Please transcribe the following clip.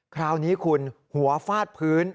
คราวนี้คุณหัวฟาดพื้น